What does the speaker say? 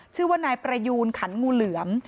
ชื่อว่านายประยูนขันงูเหลือม